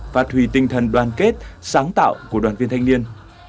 phát huy tinh thần đoàn kết sáng tạo của đoàn viên thanh niên